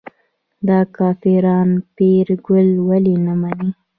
دا کافران پیرګل ولې نه مني.